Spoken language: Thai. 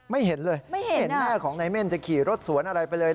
ไม่เห็นเลยไม่เห็นแม่ของนายเม่นจะขี่รถสวนอะไรไปเลย